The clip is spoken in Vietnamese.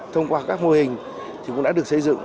thông qua các mô hình thì cũng đã được xây dựng